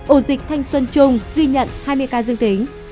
ổ dịch thanh xuân trung ghi nhận hai mươi ca dương tính